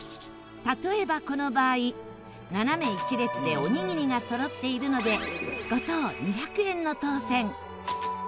例えばこの場合斜め１列でおにぎりがそろっているので５等２００円の当せん。